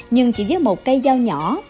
nhưng chỉ với một cây dao nhỏ